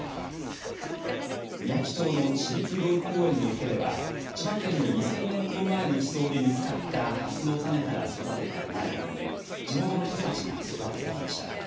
みやき町の千栗土居公園の池では千葉県の２０００年ほど前の地層で見つかったハスの種から育てた苗を植え地元の人たちが育ててきました。